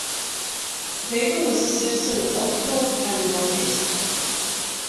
Weber was a citizen of Altdorf and Rothrist.